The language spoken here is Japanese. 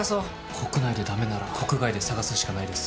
国内で駄目なら国外で探すしかないです。